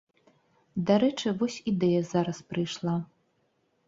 Дарэчы, вось ідэя зараз прыйшла.